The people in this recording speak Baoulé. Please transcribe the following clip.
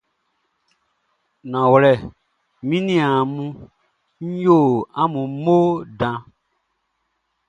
Nanwlɛ, mi niaan mun, n yo amun mo dan.